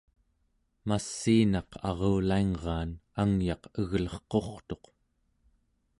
massiinaq arulaingraan angyaq eglerqu'rtuq